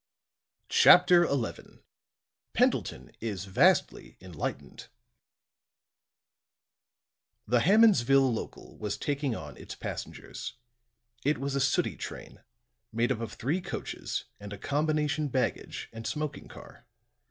CHAPTER XI PENDLETON IS VASTLY ENLIGHTENED The Hammondsville local was taking on its passengers. It was a sooty train, made up of three coaches and a combination baggage and smoking car.